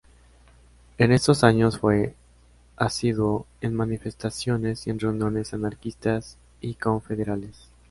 En estos años fue asiduo en manifestaciones y en reuniones anarquistas y confederales.